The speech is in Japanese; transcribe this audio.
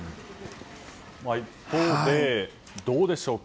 一方でどうでしょうか。